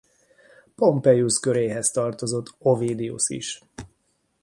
Pompeius köréhez tartozott Ovidius is.